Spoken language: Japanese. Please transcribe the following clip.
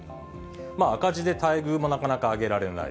赤字で待遇もなかなか上げられない。